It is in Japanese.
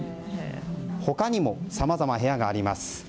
他にも、さまざま部屋があります。